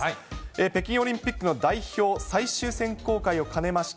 北京オリンピックの代表最終選考会を兼ねました、